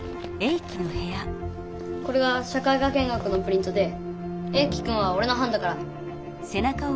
これが社会科見学のプリントでエイキくんはおれのはんだから。